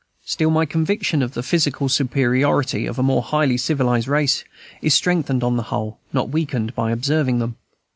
Still my conviction of the physical superiority of more highly civilized races is strengthened on the whole, not weakened, by observing them.